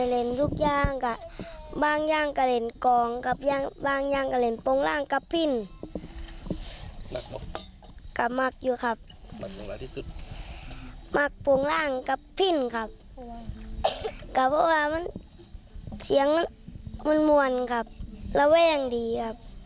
แล้วว่ายังดีครับ